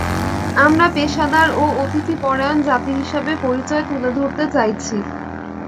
আমরা পেশাদার ও অতিথি পরায়ণ জাতি হিসেবে পরিচয় তুলে ধরতে চাইছি।